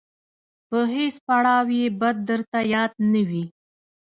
په هیڅ پړاو یې بد درته یاد نه وي.